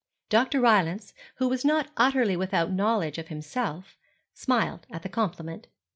Dr. Rylance, who was not utterly without knowledge of himself, smiled at the compliment.